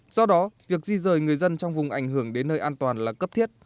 do đó việc di rời người dân trong vùng ảnh hưởng đến nơi an toàn là cấp thiết